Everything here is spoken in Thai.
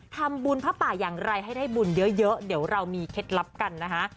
ทำบุญพระป่าอย่างไรให้ได้บุญเยอะเดี๋ยวเรามีเคล็ดลับกันนะคะ